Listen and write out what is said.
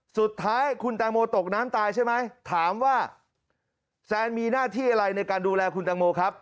สุดท้ายคุณแตงโมตกน้ำตายใช่ไหมถามว่าแซนมีหน้าที่อะไรในการดูแลคุณตังโมครับ